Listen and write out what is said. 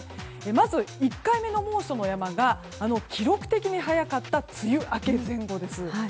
まず１回目の猛暑の山が記録的に早かった梅雨明け前後です。